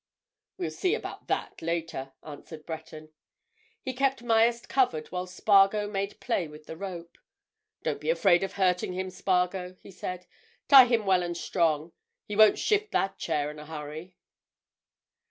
"We'll see about that later," answered Breton. He kept Myerst covered while Spargo made play with the rope. "Don't be afraid of hurting him, Spargo," he said. "Tie him well and strong. He won't shift that chair in a hurry."